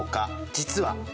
実は？